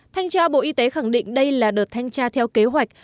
thanh tra bộ y tế khẳng định đây là đợt thanh tra theo kế hoạch